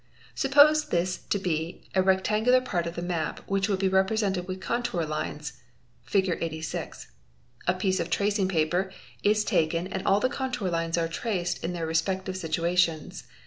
Suppose this to be a rectan — gular part of the map which would be represented with contour lines, Fig. 86. A piece of tracing paper is taken and all the contour lines are traced in their respective situa — is. & y __|| tions.